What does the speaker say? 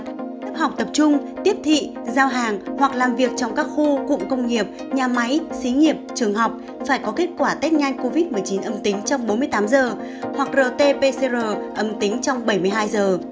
trường lớp học tập trung tiếp thị giao hàng hoặc làm việc trong các khu cụm công nghiệp nhà máy xí nghiệp trường học phải có kết quả test nhanh covid một mươi chín âm tính trong bốn mươi tám giờ hoặc rt pcr âm tính trong bảy mươi hai giờ